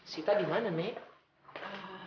sita dimana nek